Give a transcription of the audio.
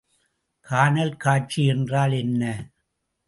கானல் காட்சி என்றால் என்ன?